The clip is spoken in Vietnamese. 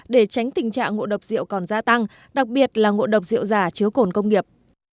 để tránh tình trạng ngộ độc rượu còn gia tăng đặc biệt là ngộ độc rượu giả chứa cồn công nghiệp